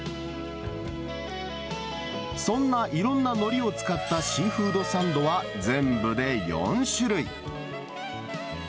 そんないろんなのりを使ったシーフードサンドは全部で４種類。